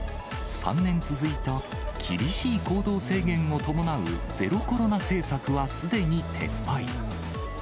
３年続いた厳しい行動制限を伴う、ゼロコロナ政策はすでに撤廃。